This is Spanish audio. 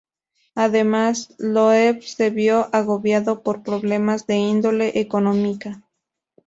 Además, Loeb se vio agobiado por problemas de índole económica.